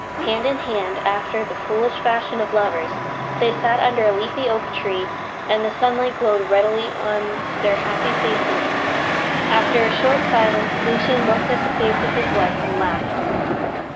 Hand in hand, after the foolish fashion of lovers, they sat under a leafy oak tree, and the sunlight glowed redly on their happy faces. After a short silence Lucian looked at the face of his wife and laughed.